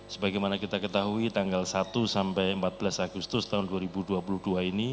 sebagaimana kita ketahui tanggal satu sampai empat belas agustus tahun dua ribu dua puluh dua ini